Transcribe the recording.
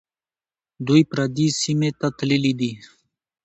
دوی پردي سیمې ته تللي دي.